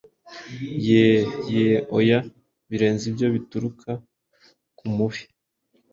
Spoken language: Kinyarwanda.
Yee, Yee, Oya ibirenze ibyo bituruka ku mubi